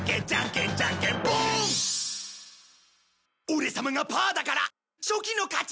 オレ様がパーだからチョキの勝ち！